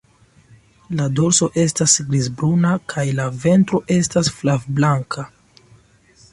La dorso estas griz-bruna, kaj la ventro estas flav-blanka.